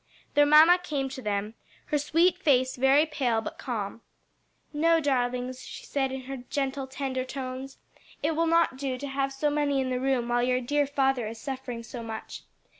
Their mamma came to them, her sweet face very pale but calm. "No, darlings," she said in her gentle, tender tones, "it will not do to have so many in the room while your dear father is suffering so much.